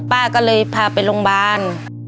ป้าก็เลยพาไปโรงพยาบาล